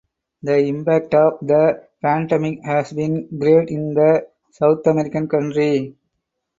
The impact of the pandemic has been great in the South American country.